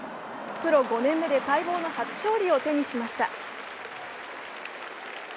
プロ５年目で待望の初勝利を手にしました。